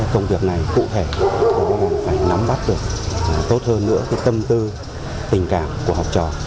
công việc này cụ thể phải nắm bắt được tốt hơn nữa tâm tư tình cảm của học trò